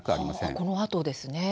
このあとですね。